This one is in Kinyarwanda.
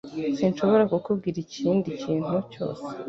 Sinshobora kukubwira ikindi kintu cyose